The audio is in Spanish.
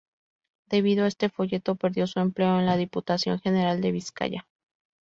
Debido a este folleto, perdió su empleo en la Diputación General de Vizcaya.